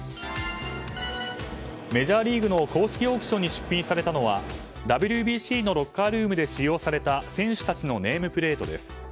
メジャーリーグの公式オークションに出品されたのはＷＢＣのロッカールームで使用された選手たちのネームプレートです。